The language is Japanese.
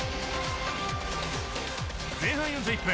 前半４１分。